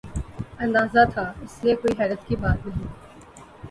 اندازہ تھا ، اس لئے کوئی حیرت کی بات نہیں ۔